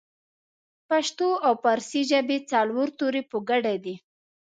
پښتو او پارسۍ ژبې څلور توري په ګډه دي